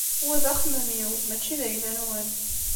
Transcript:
Wa d axemmem-iw mačči d ayla-nwen.